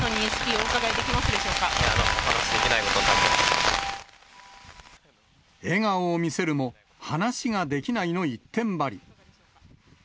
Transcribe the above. お伺いできますお話しできないことになって笑顔を見せるも、話ができないの一点張り。